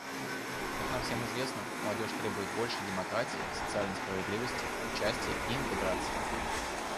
Как нам всем известно, молодежь требует больше демократии, социальной справедливости, участия и интеграции.